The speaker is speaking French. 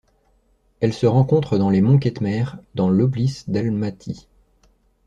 Elle se rencontre dans les monts Ketmer dans l'oblys d'Almaty.